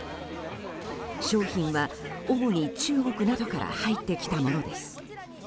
商品は主に中国などから入ってきたものです。